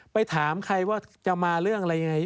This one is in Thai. ไปถามใครว่าจะมาเรื่องอะไรยังไง